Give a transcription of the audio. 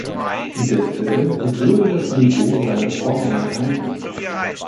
Der Film würde das Niveau seiner Vorgänger halten.